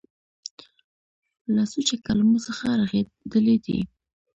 له سوچه کلمو څخه رغېدلي دي.